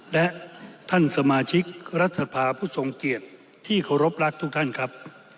และท่านสมาชิกรัฐสภาผู้ทรงเกียรติที่เคารพรักทุกท่านครับ